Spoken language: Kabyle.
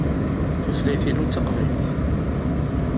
Tutlayt-inu d taqbaylit.